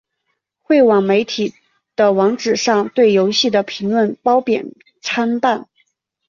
汇总媒体的网址上对游戏的评论褒贬参半。